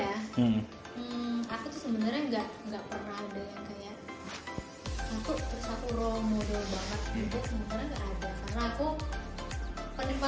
aku tuh sebenernya